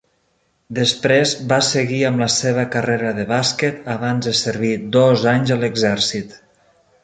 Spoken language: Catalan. Després, va seguir amb la seva carrera de bàsquet abans de servir dos anys a l'exèrcit.